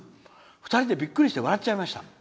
２人でびっくりして笑っちゃいました」。